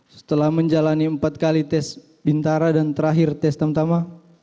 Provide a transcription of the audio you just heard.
setelah menjalani empat kali tes bintara dan terakhir tes tamtama